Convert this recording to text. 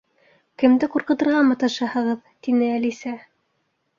—Кемде ҡурҡытырға маташаһығыҙ? —тине Әлисә.